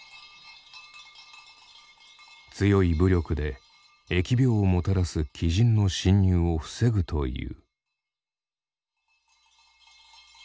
強い武力で疫病をもたらす鬼神の侵入を防ぐという。